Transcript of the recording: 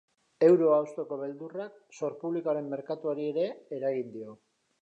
Euroa hausteko beldurrak zor publikoaren merkatuari ere eragin dio.